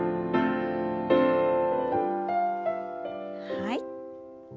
はい。